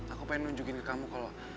aku pengen nunjukin ke kamu kalau